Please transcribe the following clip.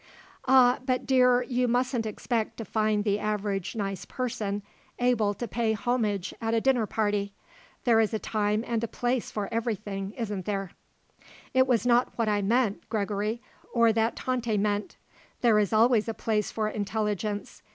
"Ah, but, dear, you mustn't expect to find the average nice person able to pay homage at a dinner party. There is a time and a place for everything, isn't there." "It was not that I meant, Gregory, or that Tante meant. There is always a place for intelligence.